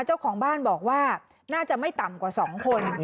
เจ้าของบ้านบอกว่าน่าจะไม่ต่ำกว่า๒คน